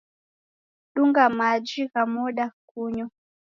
Dunga maji gha modo kunyo.